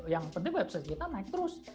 yang penting website kita naik terus